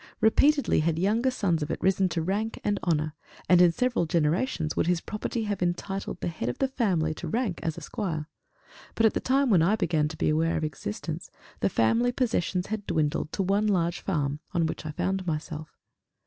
Repeatedly had younger sons of it risen to rank and honour, and in several generations would his property have entitled the head of the family to rank as a squire, but at the time when I began to be aware of existence, the family possessions had dwindled to one large farm, on which I found myself.